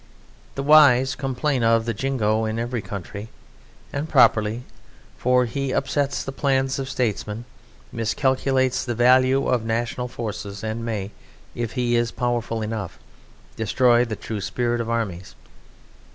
The wise complain of the jingo in every country; and properly, for he upsets the plans of statesmen, miscalculates the value of national forces, and may, if he is powerful enough, destroy the true spirit of armies.